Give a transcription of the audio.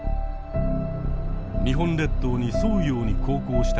日本列島に沿うように航行した